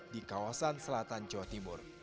di kawasan selatan jawa timur